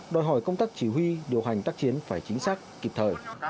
đòi hỏi công tác chỉ huy điều hành tác chiến phải chính xác kịp thời